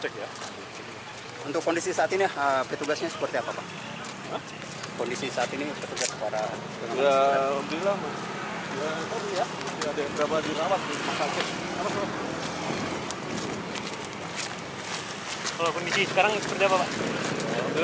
kalau kondisi sekarang seperti apa pak